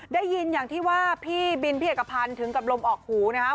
ได้ยินอย่างที่ว่าพี่บินพี่เอกพันธ์ถึงกับลมออกหูนะคะ